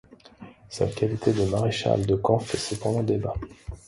Sa qualité de Maréchal de camp fait cependant débat.